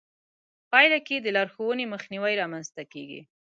پايله کې د لارښوونې مخنيوی رامنځته کېږي.